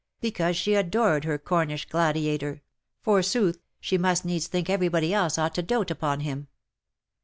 Because she adored her Cornish gladiator, forsooth, she must needs l^iink every body else ought to doat upon him.